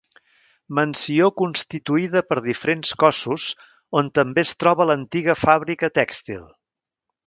Mansió constituïda per diferents cossos on també es troba l'antiga fàbrica tèxtil.